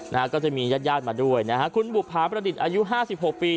นะฮะก็จะมีญาติญาติมาด้วยนะฮะคุณบุภาประดิษฐ์อายุห้าสิบหกปี